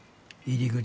入り口？